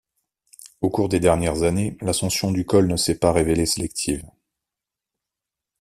Au cours des dernières années, l'ascension du col ne s'est pas révélée sélective.